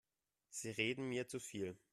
Sie reden mir zu viel.